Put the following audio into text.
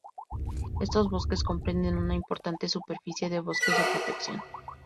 Estos bosques comprenden una importante superficie de bosques de protección.